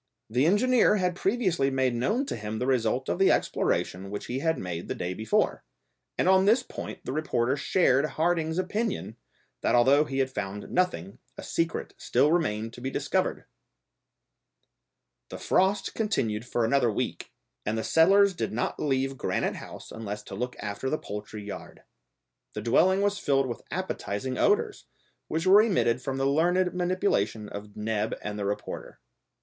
The engineer had previously made known to him the result of the exploration which he had made the day before, and on this point the reporter shared Harding's opinion, that although he had found nothing, a secret still remained to be discovered! The frost continued for another week, and the settlers did not leave Granite House unless to look after the poultry yard. The dwelling was filled with appetising odours, which were emitted from the learned manipulation of Neb and the reporter.